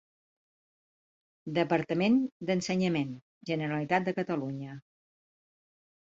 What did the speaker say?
Departament d'Ensenyament, Generalitat de Catalunya.